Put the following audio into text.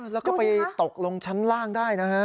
แล้วก็ไปตกลงชั้นล่างได้นะฮะ